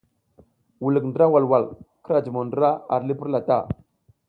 Wulik ndra walwal, kira jumo ndra ar li purla ta.